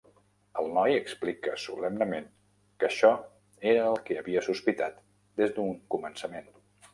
El noi explica solemnement que això era el que havia sospitat des d'un començament.